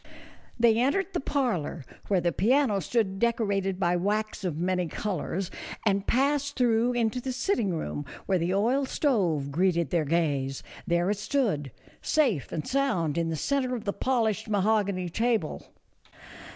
They entered the parlor, where the piano stood decorated by wax of many colors, and passed through into the sitting room, where the oil stove greeted their gaze ; there it stood, safe and sound, in the centre of the polished mahogany table.